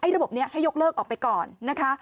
ระบบนี้ให้ยกเลิกออกไปก่อนนะคะ